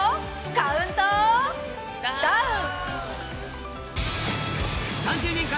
カウントダウン！